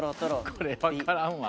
これ分からんわ。